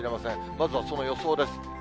まずはその予想です。